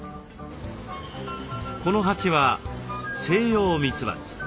この蜂はセイヨウミツバチ。